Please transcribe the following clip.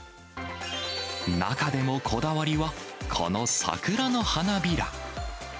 中でもこだわりは、この桜の花びら。